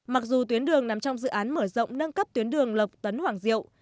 mặc dù tuyến đường nằm trong dự án mở rộng nâng cấp tuyến đường lộc tấn hoàng diệu